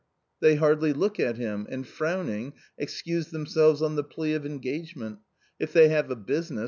they hardly look at him, and frowning, excuse themselves on the plea of engagement ; if they have a business.